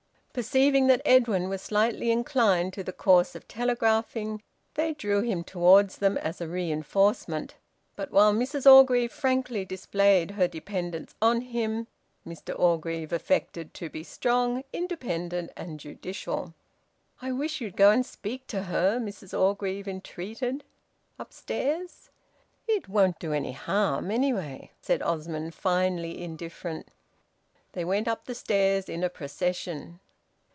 Perceiving that Edwin was slightly inclined to the course of telegraphing, they drew him towards them as a reinforcement, but while Mrs Orgreave frankly displayed her dependence on him, Mr Orgreave affected to be strong, independent, and judicial. "I wish you'd go and speak to her," Mrs Orgreave entreated. "Upstairs?" "It won't do any harm, anyhow," said Osmond, finely indifferent. They went up the stairs in a procession.